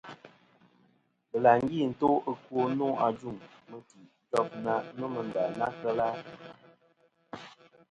Bɨlàŋgi nto ɨkwo nô ajuŋ mɨti ijof na nomɨ nda na kel a.